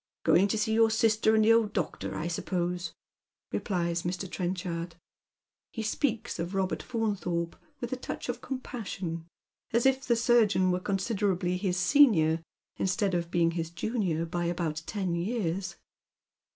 " Going to see your sister and the old doctor, I suppose," replies Mr. Trenchard. He speaks of Robert Faunthorpe with a touch of compassion, as if the surgeon were considerably his senior, instead of bemg his junior by about ten years.